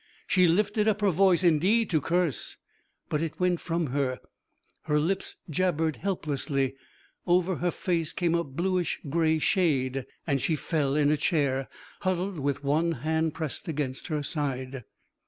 She lifted up her voice indeed to curse, but it went from her; her lips jabbered helplessly; over her face came a bluish gray shade, and she fell in a chair huddled with one hand pressed against her side.